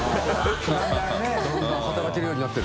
だんだん働けるようになってる。